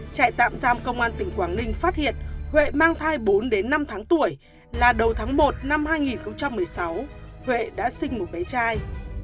trại tạm giam công an tỉnh quảng ninh phát hiện huệ mang thai bốn đến năm tháng tuổi là đầu tháng một năm hai nghìn một mươi sáu huệ đã sinh một bé trai